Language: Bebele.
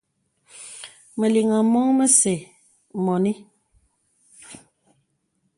Məlìŋà mɔ̄ŋ məsə mɔ̄nì.